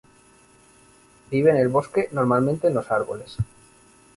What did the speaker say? Vive en el bosque, normalmente en los árboles.